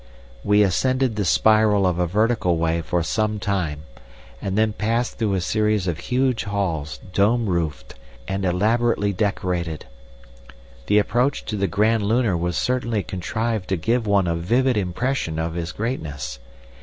"We ascended the spiral of a vertical way for some time, and then passed through a series of huge halls dome roofed and elaborately decorated. The approach to the Grand Lunar was certainly contrived to give one a vivid impression of his greatness.